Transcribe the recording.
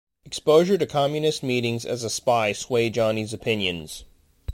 Exposure to Communist meetings as a spy sway Johnny's opinions.